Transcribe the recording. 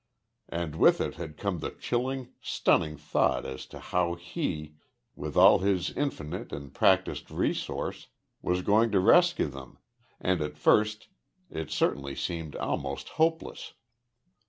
And with it had come the chilling, stunning thought as to how he, with all his infinite and practised resource, was going to rescue them, and at first it certainly seemed almost hopeless.